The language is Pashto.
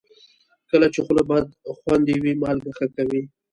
کله چې خوله بدخوند وي، مالګه ښه کوي.